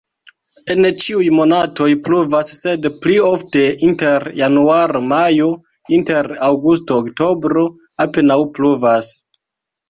En ĉiuj monatoj pluvas, sed pli ofte inter januaro-majo, inter aŭgusto-oktobro apenaŭ pluvas.